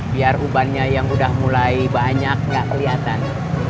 biar ubannya yang udah mulai banyak nggak kelihatan